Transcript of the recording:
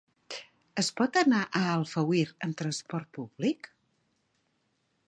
Es pot anar a Alfauir amb transport públic?